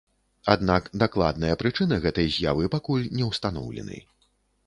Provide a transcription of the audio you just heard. Аднак дакладныя прычыны гэтай з'явы пакуль не ўстаноўлены.